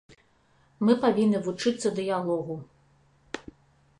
Мы павінны вучыцца дыялогу.